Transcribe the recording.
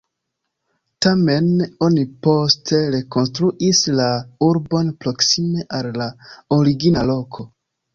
Tamen oni poste rekonstruis la urbon proksime al la origina loko.